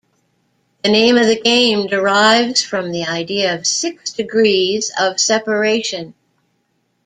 The name of the game derives from the idea of six degrees of separation.